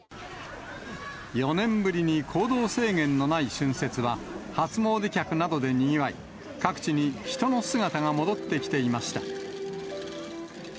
４年ぶりに行動制限のない春節は、初詣客などでにぎわい、各地に人の姿が戻ってきていました。